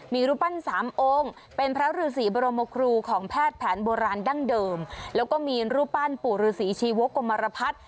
มีรูปปั้นสามองค์เป็นพระฤษีบรมครูของแพทย์แผนโบราณดั้งเดิมแล้วก็มีรูปปั้นปู่ฤษีชีวกรมรพัฒน์